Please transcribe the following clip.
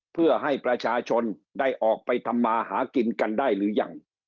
เพื่อให้ประชาชนได้ออกไปทำมาหากินกันได้หรือยัง